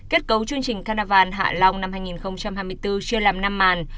kết cấu chương trình carnaval hạ long năm hai nghìn hai mươi bốn chưa làm năm màn